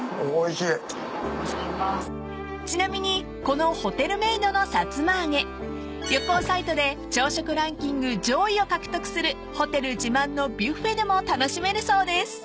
［ちなみにこのホテルメードのさつま揚げ旅行サイトで朝食ランキング上位を獲得するホテル自慢のビュッフェでも楽しめるそうです］